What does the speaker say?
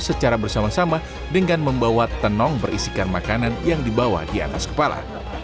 secara bersama sama dengan membawa tenong berisikan makanan yang dibawa di atas kepala